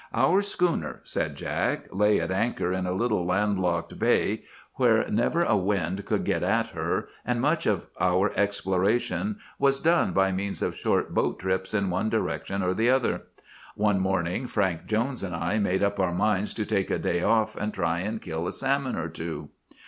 "Our schooner," said Jack, "lay at anchor in a little landlocked bay where never a wind could get at her, and much of our exploration was done by means of short boat trips in one direction or the other. One morning Frank Jones and I made up our minds to take a day off, and try and kill a salmon or two.